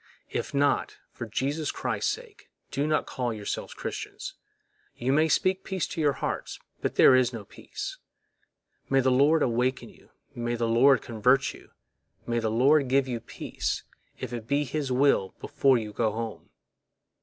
If not, for Jesus Christ's sake, do not call yourselves Christians; you may speak peace to your hearts, but there is no peace. May the Lord awaken you, may the Lord convert you, may the Lord give you peace, if it be His will, before you go home!